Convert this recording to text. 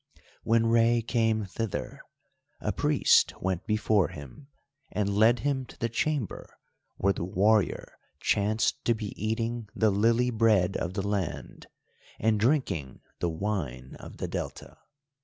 When Rei came thither, a priest went before him and led him to the chamber where the warrior chanced to be eating the lily bread of the land, and drinking the wine of the Delta.